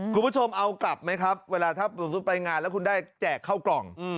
คุณผู้ชมเอากลับไหมครับเวลาถ้าสมมุติไปงานแล้วคุณได้แจกเข้ากล่อง